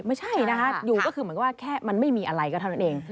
ไม่ใช่นะคะอยู่ก็คือเหมือนว่าแค่มันไม่มีอะไรก็เท่านั้นเอง